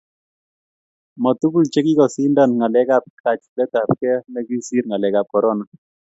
ma tugul che kikosindan ngalek ab kachilet ab gee ne kisir ngalek ab korona